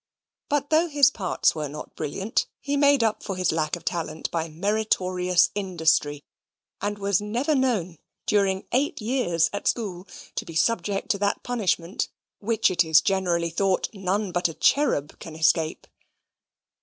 But though his parts were not brilliant, he made up for his lack of talent by meritorious industry, and was never known, during eight years at school, to be subject to that punishment which it is generally thought none but a cherub can escape.